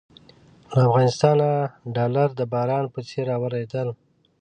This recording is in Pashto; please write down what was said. له افغانستانه ډالر د باران په څېر رااورېدل.